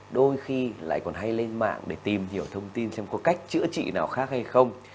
đôi khi lại còn hay lên mạng để tìm hiểu thông tin xem có cách chữa trị nào khác hay không